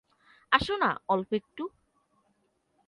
আসোনা, অল্প একটু।